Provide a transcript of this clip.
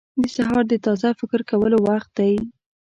• سهار د تازه فکر کولو وخت دی.